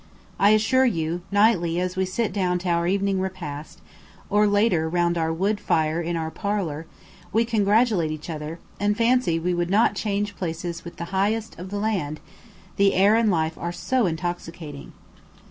I assure you, nightly as we sit down to our evening repast, or later round our wood fire in our "parlour," we congratulate each other, and fancy we would not change places with the highest of the land, the air and life are so intoxicating.